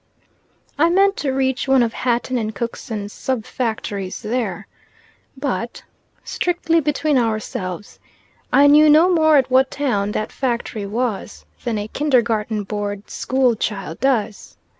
I meant to reach one of Hatton and Cookson's sub factories there, but strictly between ourselves I knew no more at what town that factory was than a Kindergarten Board School child does.